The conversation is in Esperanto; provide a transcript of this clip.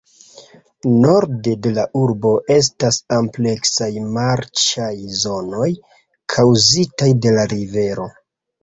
Norde de la urbo estas ampleksaj marĉaj zonoj kaŭzitaj de la rivero.